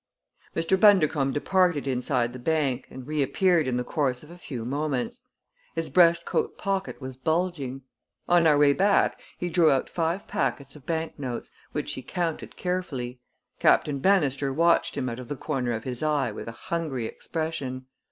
Mr. Bundercombe departed inside the bank and reappeared in the course of a few moments. His breast coat pocket was bulging. On our way back he drew out five packets of banknotes, which he counted carefully. Captain Bannister watched him out of the corner of his eye with a hungry expression.